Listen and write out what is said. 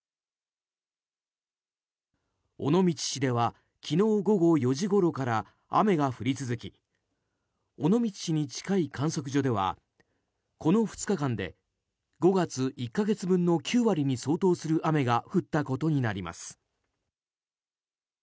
尾道市では昨日午後４時ごろから雨が降り続き尾道市に近い観測所ではこの２日間で５月１か月分の９割に相当する雨が降ったことになります。